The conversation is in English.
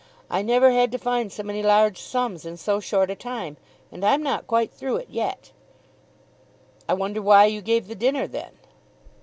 I never had to find so many large sums in so short a time! And I'm not quite through it yet." "I wonder why you gave the dinner then."